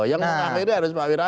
yang mengakhiri harus pak wiranto